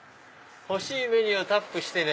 「ほしいメニューをタップしてね」。